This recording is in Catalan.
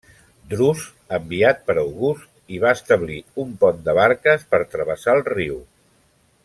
Drus, enviat per August, hi va establir un pont de barques per travessar el riu.